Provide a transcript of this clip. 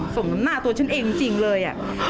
สมน้ำหน้าตัวฉันเองจริงเลย